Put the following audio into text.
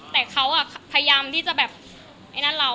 แต่เขาพยายามที่จะแบบไอ้นั่นเรา